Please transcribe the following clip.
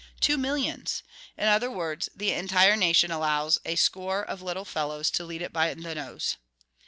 Two millions! In other words, the entire nation allows a score of little fellows to lead it by the nose.